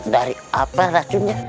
dari apa racunnya